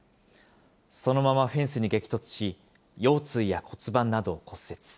そのままフェンスに激突し、腰椎や骨盤などを骨折。